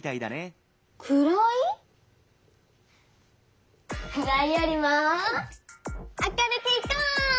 くらい？くらいよりもあかるくいこ！